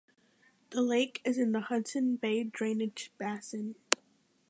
The lake is in the Hudson Bay drainage basin.